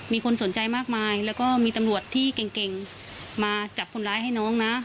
มีคนสนใจมากมายแล้วก็มีตำรวจที่เก่งมาจับคนร้ายให้น้องนะ